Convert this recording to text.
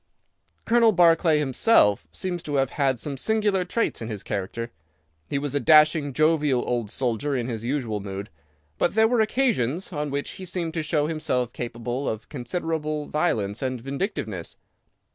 "Colonel Barclay himself seems to have had some singular traits in his character. He was a dashing, jovial old soldier in his usual mood, but there were occasions on which he seemed to show himself capable of considerable violence and vindictiveness.